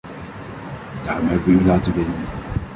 Daarom hebben wij u laten winnen!